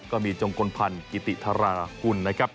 จงกลพันธ์กิติธารากุลนะครับ